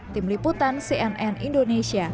tim liputan cnn indonesia